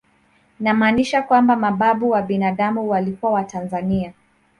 Inamaanisha kwamba mababu wa binadamu walikuwa watanzania